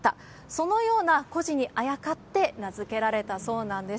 そのような故事にあやかって名付けられたそうなんです。